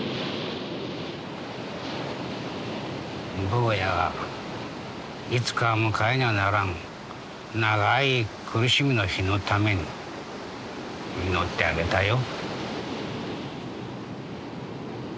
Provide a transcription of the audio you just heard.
ぼうやがいつか迎えにゃならん長い苦しみの日のために祈ってあげたよ。